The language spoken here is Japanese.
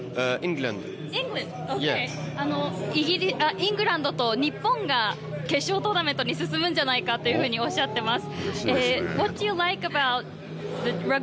イングランドと日本が決勝トーナメントに進むんじゃないかというふうにおっしゃってます。